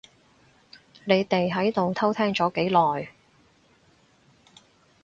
你哋喺度偷聽咗幾耐？